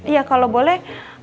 ya kalau boleh